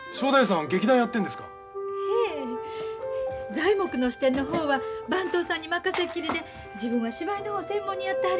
材木の支店の方は番頭さんに任せっきりで自分は芝居の方専門にやってはりますのや。